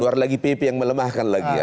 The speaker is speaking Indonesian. luar lagi pp yang melemahkan lagi